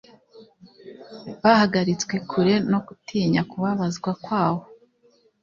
bahagaritswe kure no gutinya kubabazwa kwawo